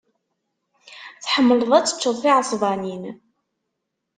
Tḥemmleḍ ad teččeḍ tiɛesbanin.